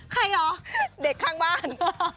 เหรอเด็กข้างบ้าน